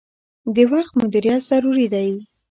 د وخت مدیریت ضروری دي.